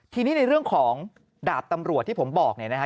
ทีนี้ในเรื่องของดาบตำรวจที่ผมบอกเนี่ยนะฮะ